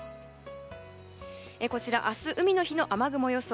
明日、海の日の雨雲予想。